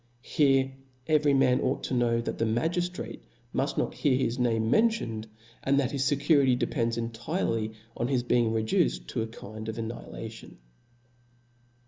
Here every man ought to khow that the magiftrate mufl not hear his name mentioned^ and that his fecurity depends entirely on his be ing reduced to a kind of annihilaticHi.